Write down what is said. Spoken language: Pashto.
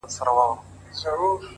یوه ورځ به دي چیچي ـ پر سپینو لېچو ـ